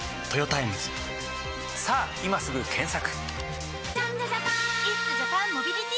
さぁ今すぐ検索！